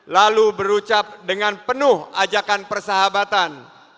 lalu berucap dengan penuh ajakan persahabatan